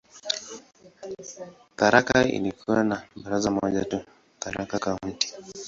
Tharaka ilikuwa na baraza moja tu, "Tharaka County".